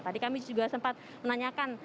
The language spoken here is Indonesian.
tadi kami juga sempat menanyakan